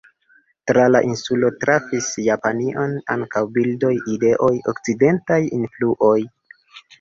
Tra la insulo trafis Japanion ankaŭ bildoj, ideoj, okcidentaj influoj.